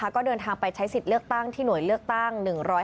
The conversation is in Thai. ก็เดินทางไปใช้สิทธิ์เลือกตั้งที่หน่วยเลือกตั้ง๑๕